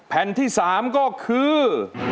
แผ่นที่คือ